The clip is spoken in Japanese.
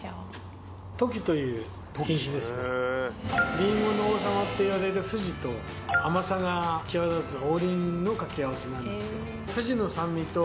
りんごの王様っていわれるふじと甘さが際立つ王林の掛け合わせなんですよ。